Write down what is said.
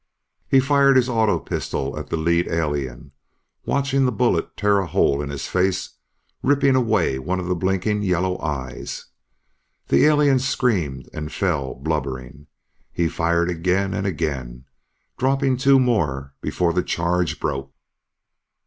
He fired the auto pistol at the lead alien, watching the bullet tear a hole in his face, ripping away one of the blinking yellow eyes. The alien screamed and fell blubbering. He fired again and again, dropping two more before the charge broke.